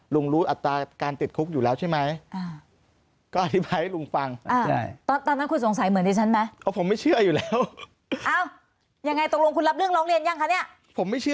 รู้อัตราการติดคุกอยู่แล้วใช่ไหม